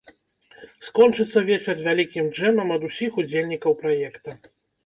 Скончыцца вечар вялікім джэмам ад усіх удзельнікаў праекта.